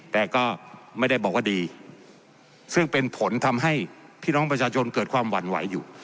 แต่ก็ไม่ได้บอกว่าดีซึ่งเป็นผลทำให้พี่น้องประชาชนเกิดความหวั่นไหวอยู่